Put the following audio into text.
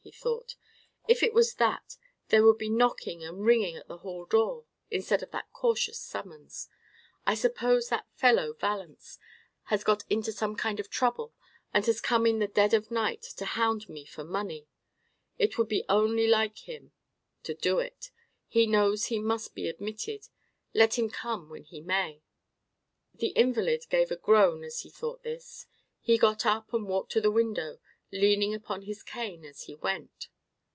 he thought. "If it was that, there would be knocking and ringing at the hall door, instead of that cautious summons. I suppose that fellow Vallance has got into some kind of trouble, and has come in the dead of the night to hound me for money. It would be only like him to do it. He knows he must be admitted, let him come when he may." The invalid gave a groan as he thought this. He got up and walked to the window, leaning upon his cane as he went.